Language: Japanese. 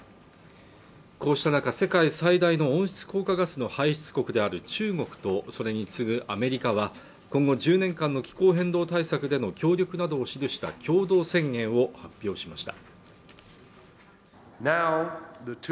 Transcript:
こうした中世界最大の温室効果ガスの排出国である中国とそれに次ぐアメリカは今後１０年間の気候変動対策での協力などを記した共同宣言を発表しました